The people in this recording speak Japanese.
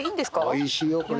おいしいよこれ。